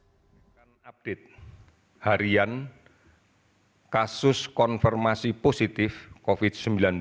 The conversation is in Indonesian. saya update harian kasus konfirmasi positif covid sembilan belas